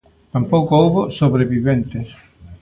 Tampouco houbo sobreviventes.